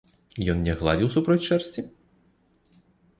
Ён не гладзіў супроць шэрсці?